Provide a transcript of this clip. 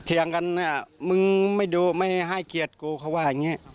เถียงกันมึงไม่ดูไม่ให้เกียรติกูเขาว่าอย่างนี้